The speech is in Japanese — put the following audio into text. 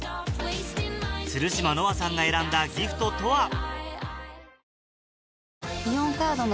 鶴嶋乃愛さんが選んだギフトとは？